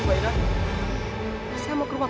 saya menerapkan suku sekarang